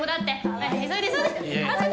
はい急いで急いで。